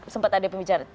sempat ada yang pembicara